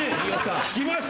聞きました？